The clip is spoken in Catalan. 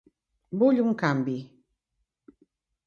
Vull un canvi.